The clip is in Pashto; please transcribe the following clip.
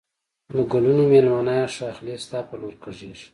د گلونو مېلمنه یې ښاخلې ستا پر لور کږېږی